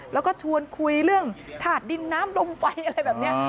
แล้วก็ชวนคุยเรื่องถาดดินน้ำลมไฟอะไรแบบนี้